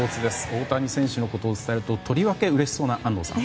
大谷選手のことを伝えるととりわけ嬉しそうな安藤さん。